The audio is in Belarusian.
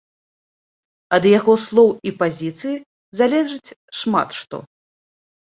Ад яго слоў і пазіцыі залежыць шмат што.